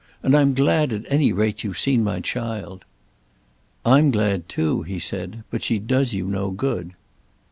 And I'm glad at any rate you've seen my child." "I'm glad too," he said; "but she does you no good."